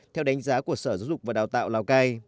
theo đánh giá của sở giáo dục và đào tạo lào cai